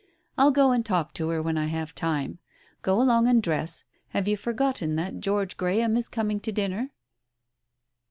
I'll go and talk to her when I have time. Go along and dress. Have you forgotten that George Graham is coming to dinner